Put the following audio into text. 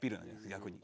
逆に。